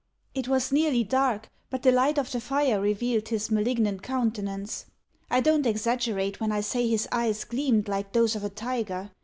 It was nearly dark, but the light of the fire revealed his malignant countenance. I don't exaggerate, when I say his eyes gleamed like those of a tiger.